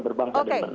berbangsa dan negara